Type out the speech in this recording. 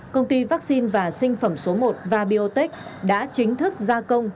công ty vaccine và sinh phẩm số một vabiotech đã chính thức gia công